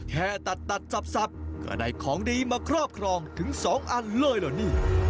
แค่ตัดตัดสับก็ได้ของดีมาครอบครองถึง๒อันเลยเหรอนี่